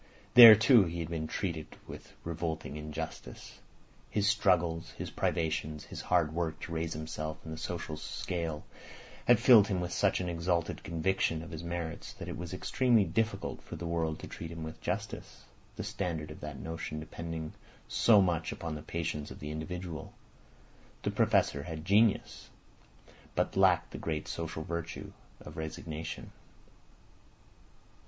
There too he had been treated with revolting injustice. His struggles, his privations, his hard work to raise himself in the social scale, had filled him with such an exalted conviction of his merits that it was extremely difficult for the world to treat him with justice—the standard of that notion depending so much upon the patience of the individual. The Professor had genius, but lacked the great social virtue of resignation.